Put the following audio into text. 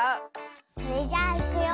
それじゃあいくよ。